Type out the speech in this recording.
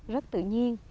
rất tự nhiên